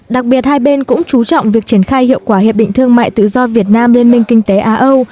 đặc biệt hai bên cũng chú trọng việc triển khai hiệu quả hiệp định thương mại tự do việt nam liên minh kinh tế á âu